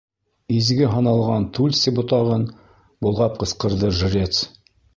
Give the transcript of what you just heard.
— Изге һаналған тульци ботағын болғап ҡысҡырҙы жрец.